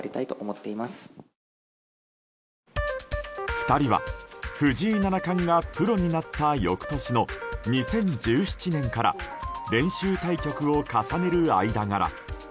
２人は藤井七冠がプロになった翌年の２０１７年から練習対局を重ねる間柄。